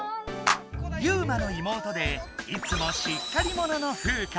ユウマの妹でいつもしっかり者のフウカ。